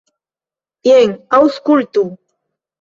Jen, aŭskultu.